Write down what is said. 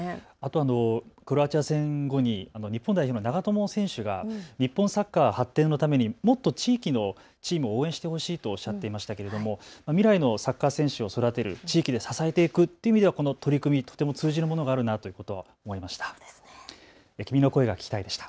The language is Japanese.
あとクロアチア戦後に日本代表の長友選手が日本サッカー発展のためにもっと地域のチームを応援してほしいとおっしゃっていましたけれども未来のサッカー選手を育てる、地域で支えていくという意味ではこの取り組み、とても通じるものがあるなと思いました。